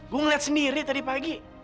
gue ngeliat sendiri tadi pagi